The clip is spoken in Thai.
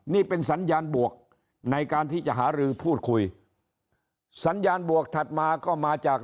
นี่เป็นสัญญาณบวกในการที่จะหารือพูดคุยสัญญาณบวกถัดมาก็มาจาก